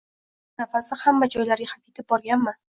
O‘zgarishlar nafasi hamma joylarga ham yetib borganmi?